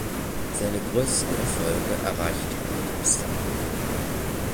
Seine größten Erfolge erreichte er mit dem Star.